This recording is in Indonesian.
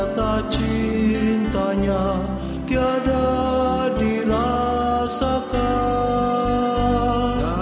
meskipun orang menolak dalam hatimu